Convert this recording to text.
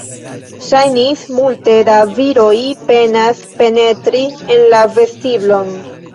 Ŝajnis, multe da viroj penas penetri en la vestiblon.